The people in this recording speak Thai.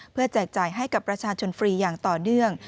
แจกจ่ายให้กับประชาชนฟรีอย่างต่อเนื่อง